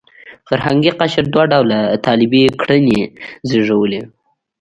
فرهنګي قشر دوه ډوله طالبي کړنې زېږولې.